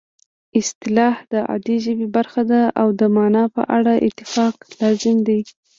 اصطلاح د عادي ژبې برخه ده او د مانا په اړه اتفاق لازم دی